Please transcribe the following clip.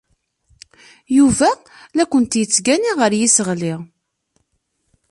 Yuba la kent-yettgani ɣer yiseɣli.